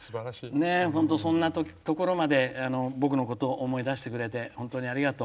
そんなところでまで僕のことを思い出してくれて本当にありがとう。